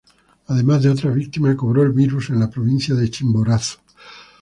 Además de otra víctima cobró el virus en la provincia de Chimborazo.